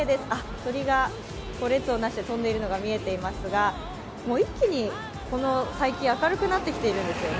鳥が列をなして飛んでいるのが見えていますが、一気に最近明るくなってきているんですよね。